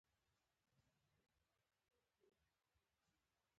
حمزه بابا د خپل وخت اتل و.